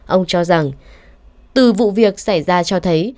ông cho rằng từ vụ việc xảy ra cho thấy